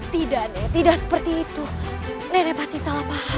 tidak nih tidak seperti itu nenek pasti salah paham